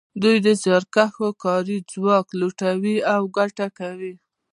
دوی د زیارکښو کاري ځواک لوټوي او ګټه کوي